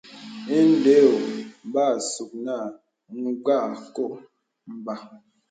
Indē ɔ̄ɔ̄. Mgbàsù nə̀ Mgbàkɔ bə.